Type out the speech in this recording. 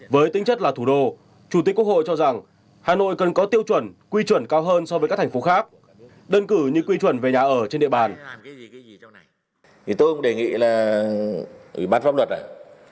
với tính chất là thủ đô chủ tịch quốc hội cho rằng hà nội cần có tiêu chuẩn quy chuẩn cao hơn so với các thành phố khác đơn cử như quy chuẩn về nhà ở trên địa bàn